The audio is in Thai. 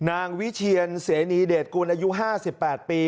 วิเชียนเสนีเดชกุลอายุ๕๘ปี